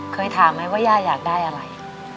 เคยถามไหมว่าย่าอยากได้อะไร